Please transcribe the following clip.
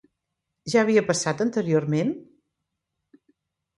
Ja havia passat anteriorment?